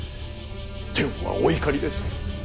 天はお怒りです。